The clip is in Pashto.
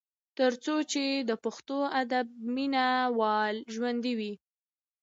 تر څو چې د پښتو ادب مينه وال ژوندي وي ۔